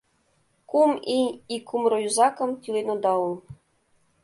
— Кум ий ик кумыр йозакым тӱлен ода ул.